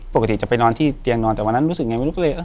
ปกติจะไปนอนที่เตียงนอนแต่วันนั้นรู้สึกไงไม่รู้ก็เลยเออ